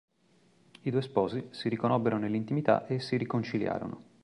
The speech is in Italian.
I due sposi si riconobbero nell'intimità e si riconciliarono.